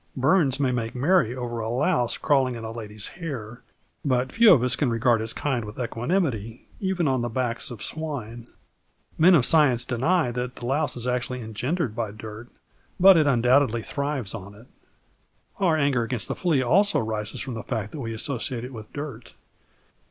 Burns may make merry over a louse crawling in a lady's hair, but few of us can regard its kind with equanimity even on the backs of swine. Men of science deny that the louse is actually engendered by dirt, but it undoubtedly thrives on it. Our anger against the flea also arises from the fact that we associate it with dirt.